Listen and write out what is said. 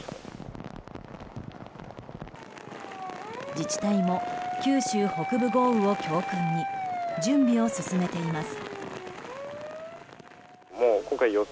自治体も九州北部豪雨を教訓に準備を進めています。